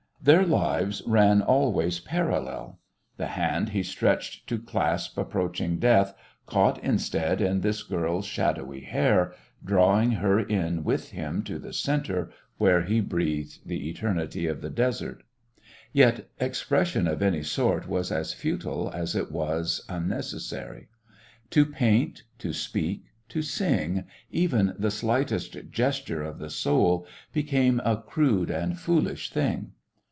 Their lives ran always parallel. The hand he stretched to clasp approaching death caught instead in this girl's shadowy hair, drawing her in with him to the centre where he breathed the eternity of the desert. Yet expression of any sort was as futile as it was unnecessary. To paint, to speak, to sing, even the slightest gesture of the soul, became a crude and foolish thing.